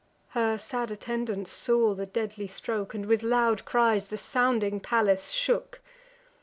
Her sad attendants saw the deadly stroke, And with loud cries the sounding palace shook.